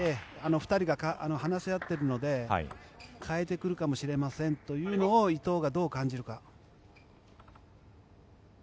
２人が話し合っているので変えてくるかもしれませんというのを伊藤がどう感じるか。